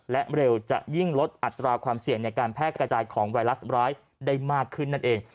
และเร็วจะยิ่งลดอัตราความเสี่ยงในการแพร่กระจายของไวรัสร้ายได้มากขึ้นนั่นเอง